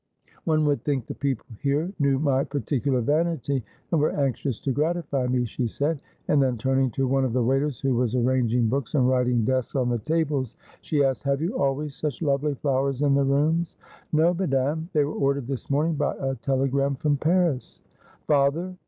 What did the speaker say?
' One would think the people here knew my particular vanity, and were anxious to gratify me,' she said ; and then turning to one of the waiters who was arranging books and writing desks 278 Asphodel. on the tables, she asked :' Have you always such lovely flowers in the rooms ?' 'No, madame. They were ordered this morning by a tele gram from Paris.' ' Father